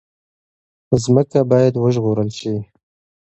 ځمکه باید وژغورل شي.